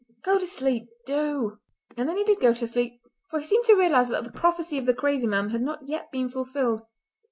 Go to sleep! Do!" And then he did go to sleep, for he seemed to realise that the prophecy of the crazy man had not yet been fulfilled.